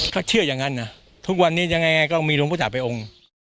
ถ้าเชื่อยังงั้นน่ะทุกวันนี้ยังไงก็มีโรงพจาตว์ไปองค์